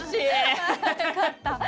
よかった。